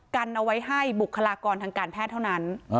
กันเอาไว้ให้บุคลากรทางการแพทย์เท่านั้น